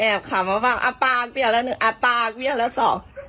แอบขามาเปล่าอ้าปากเปรี้ยวแล้วหนึ่งอ้าปากเปรี้ยวแล้วสอง